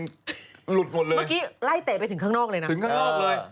กลุ่นหมดเลย